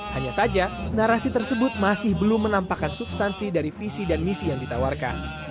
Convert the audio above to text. hanya saja narasi tersebut masih belum menampakkan substansi dari visi dan misi yang ditawarkan